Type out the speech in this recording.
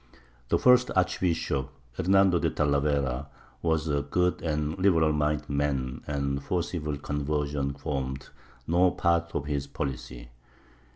The first archbishop, Hernando de Talavera, was a good and liberal minded man, and forcible conversion formed no part of his policy.